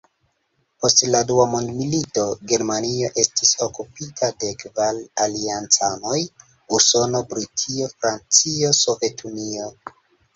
Post la dua mondmilito, Germanio estis okupita de kvar aliancanoj: Usono, Britio, Francio, Sovetunio.